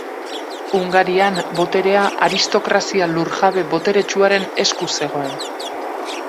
Hungarian, boterea aristokrazia lur-jabe boteretsuaren esku zegoen.